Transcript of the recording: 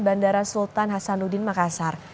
bandara sultan hasanuddin makassar